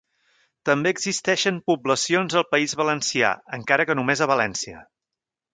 També existeixen poblacions al País Valencià, encara que només a València.